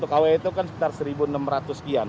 satu kwh itu kan sekitar seribu enam ratus kian